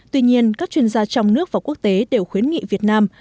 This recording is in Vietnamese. tuy nhiên các chuyên gia trong nước và quốc tế đều khuyến nghị việt nam